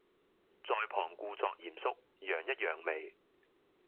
在旁故作嚴肅，揚一揚眉